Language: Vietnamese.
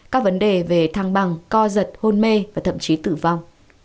các vấn đề về thăng bằng co giật hôn mê và thậm chí tử vong